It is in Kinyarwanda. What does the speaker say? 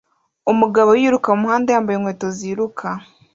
Umugabo yiruka mumuhanda yambaye inkweto ziruka